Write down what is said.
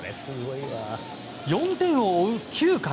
４点を追う９回。